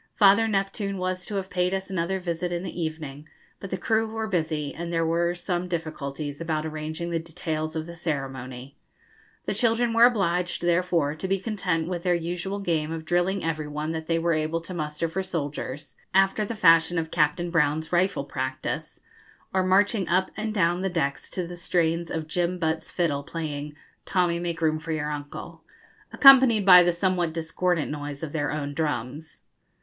Father Neptune was to have paid us another visit in the evening, but the crew were busy, and there were some difficulties about arranging the details of the ceremony. The children were obliged, therefore, to be content with their usual game of drilling every one that they were able to muster for soldiers, after the fashion of Captain Brown's 'rifle practice,' or marching up and down the decks to the strains of Jem Butt's fiddle playing 'Tommy make room for your Uncle,' accompanied by the somewhat discordant noise of their own drums.